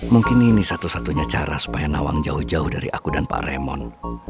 mungkin ini satu satunya cara supaya nawang jauh jauh dari aku dan pak remon